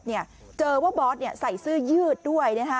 เจอว่าบอสใส่ซื้อยืดด้วย